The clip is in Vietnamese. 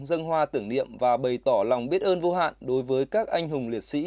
dân hoa tưởng niệm và bày tỏ lòng biết ơn vô hạn đối với các anh hùng liệt sĩ